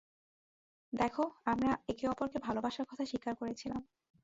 দেখো, আমরা একে অপরকে ভালোবাসার কথা স্বীকার করেছিলাম।